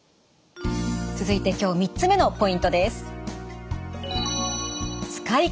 続いて今日３つ目のポイントです。